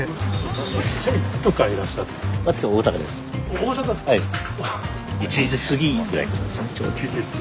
大阪ですか？